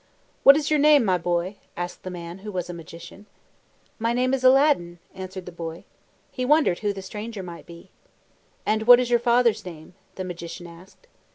"What is your name, my boy?" asked the man, who was a Magician. "My name is Aladdin," answered the boy. He wondered who the stranger might be. "And what is your father's name?" the Magician asked.